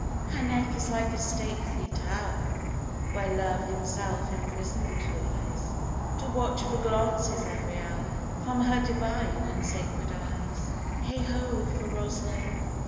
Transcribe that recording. Her neck is like a stately tower Where Love himself imprison'd lies, To watch for glances every hour From her divine and sacred eyes: Heigh ho, for Rosaline!